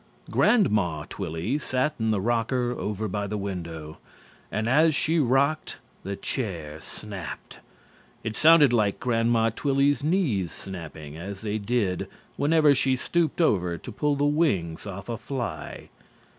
Grandma Twilly sat in the rocker over by the window, and as she rocked the chair snapped. It sounded like Grandma Twilly's knees snapping as they did whenever she stooped over to pull the wings off a fly.